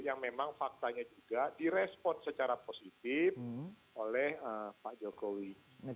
yang memang faktanya juga direspon secara positif oleh pak jokowi